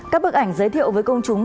các bức ảnh giới thiệu với công chúng